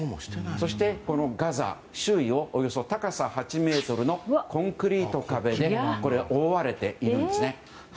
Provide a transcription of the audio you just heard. そして、ガザは周囲をおよそ高さ８ｍのコンクリート壁で覆われているんですね。